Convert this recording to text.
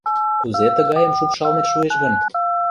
Кузе тыгайым шупшалмет шуэш гын?